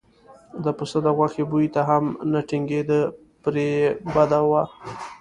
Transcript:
د پسه د غوښې بوی ته هم نه ټینګېده پرې یې بده وه.